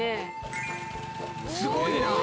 すごいな！